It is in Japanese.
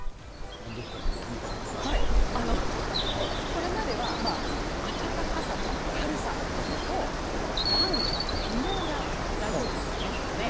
これまでは暖かさとか軽さというとダウン、羽毛が代表格ですよね。